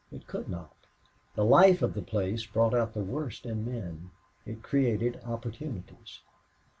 It could not. The life of the place brought out the worst in men. It created opportunities.